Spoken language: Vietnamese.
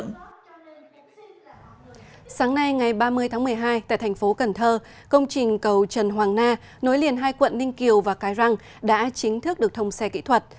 sáng nay ngày ba mươi tháng một mươi hai tại thành phố cần thơ công trình cầu trần hoàng na nối liền hai quận ninh kiều và cái răng đã chính thức được thông xe kỹ thuật